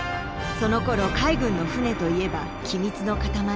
そのころ海軍の船といえば機密の塊。